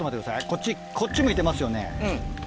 こっちこっち向いてますよね。